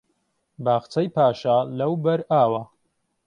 باخچەی پاشا لەوبەر ئاوە